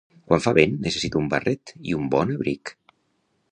Quan fa vent necessito un barret i un bon abric.